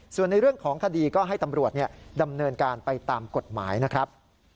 ส่วนในเรื่องของคดีก็ให้ตำรวจดำเนินการไปตามกฎหมายนะครับ